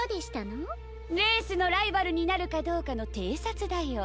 レースのライバルになるかどうかのていさつだよ。